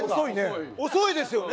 遅いですよね。